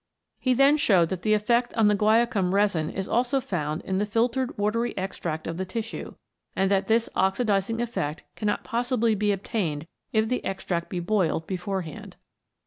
He then showed that the effect on the guaiacum resin is also found in the filtered watery extract of the tissue, and that this oxidising effect cannot possibly be obtained if the extract be boiled beforehand.